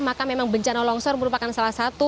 maka memang bencana longsor merupakan salah satu